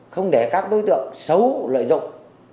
không để các đối tượng xấu lợi dụng